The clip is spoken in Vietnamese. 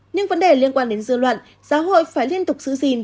nhưng vấn đề liên quan đến dư luận giáo hội phải liên tục xử dình